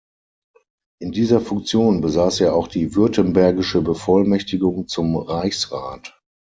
In dieser Funktion besaß er auch die württembergische Bevollmächtigung zum Reichsrat.